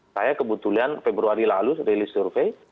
saya kebetulan februari lalu rilis survei